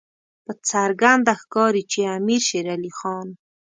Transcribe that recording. په څرګنده ښکاري چې امیر شېر علي خان.